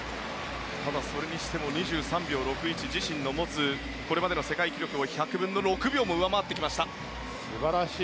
ただ、それにしても２３秒６１自身の持つこれまでの世界記録を１００分の６秒も素晴らしい。